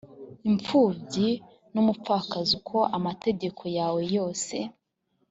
impfubyi n umupfakazi uko amategeko yawe yose